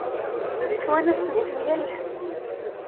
Ttwanasen-ten yal ass.